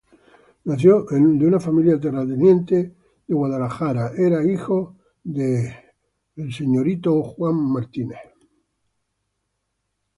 Nació en una familia terratenientes de Devonshire, era hijo de Sir Nicholas Coote.